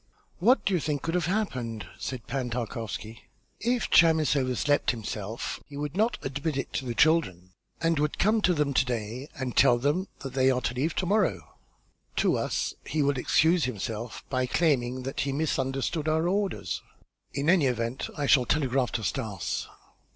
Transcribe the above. "What do you think could have happened?" said Pan Tarkowski. "If Chamis overslept himself, he would not admit it to the children and would come to them to day and tell them that they are to leave to morrow. To us he will excuse himself by claiming that he misunderstood our orders. In any event, I shall telegraph to Stas."